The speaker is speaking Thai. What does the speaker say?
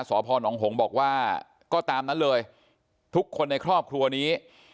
สพนหงษ์บอกว่าก็ตามนั้นเลยทุกคนในครอบครัวนี้